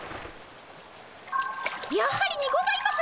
やはりにございます！